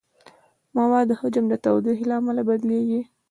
د موادو حجم د تودوخې له امله بدلېږي.